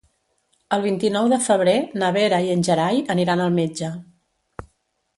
El vint-i-nou de febrer na Vera i en Gerai aniran al metge.